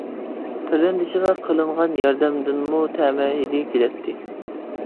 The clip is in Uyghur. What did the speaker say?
قېرىندىشىغا قىلىنغان ياردەمدىنمۇ تەمە ھىدى كېلەتتى.